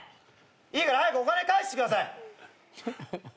いいから早くお金返してください。